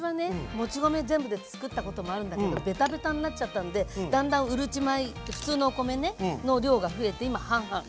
もち米全部で作ったこともあるんだけどベタベタになっちゃったんでだんだんうるち米普通のお米の量が増えて今半々。